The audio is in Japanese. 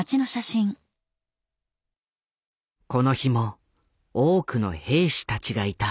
この日も多くの兵士たちがいた。